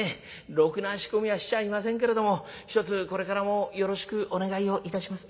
ろくな仕込みはしちゃいませんけれどもひとつこれからもよろしくお願いをいたします。